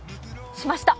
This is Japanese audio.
しました。